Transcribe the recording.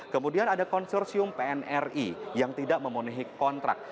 kemudian ada konsorsium pnri yang tidak memenuhi kontrak